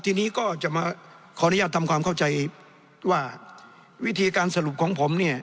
ทีนี้ก็จะมาขออนุญาตทำความเข้าใจว่าวิธีการสรุปของผมเนี่ย